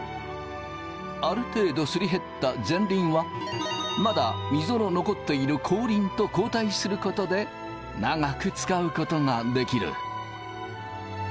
ある程度すり減った前輪はまだミゾの残っている後輪と交代することで長く使うことができる。